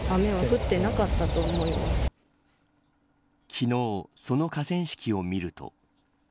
昨日、その河川敷を見ると。